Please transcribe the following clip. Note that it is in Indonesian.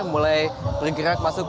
mulai bergerak masuk